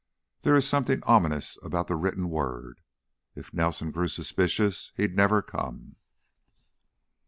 There is something ominous about the written word. If Nelson grew suspicious, he'd never come.